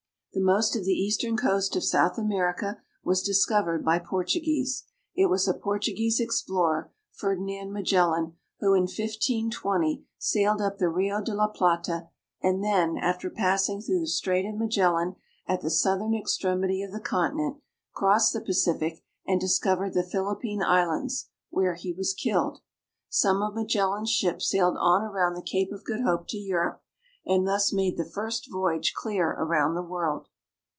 The most of the eastern coast of South America was discovered by Portuguese. It was a Portuguese explorer, Ferdinand Magellan, who in 1520 sailed up the Rio de la Plata, and then, after passing through the Strait of Magellan at the southern extremity of the continent, crossed the Pacific and discov ered the Philippine Islands, where he was killed. Some of Magellan's ships sailed on around the Cape of Good Hope to Europe, and thus made the first voyage clear around the world.